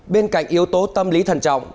bên cạnh yếu tố tâm lý thần trọng